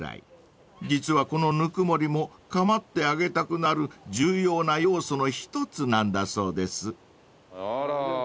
［実はこのぬくもりも構ってあげたくなる重要な要素の一つなんだそうです］あらー。